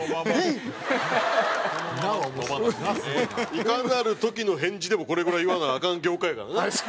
いかなる時の返事でもこれぐらい言わなアカン業界やからな。